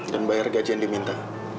dan bayar gaji yang diminta